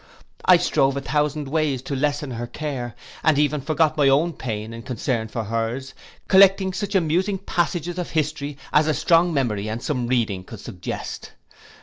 I strove a thousand ways to lessen her care, and even forgot my own pain in a concern for her's, collecting such amusing passages of history, as a strong memory and some reading could suggest.